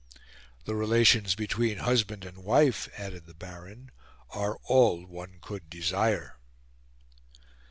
"The relations between husband and wife," added the Baron, "are all one could desire."